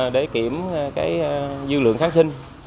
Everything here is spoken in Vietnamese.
để kiểm dư lượng kháng sinh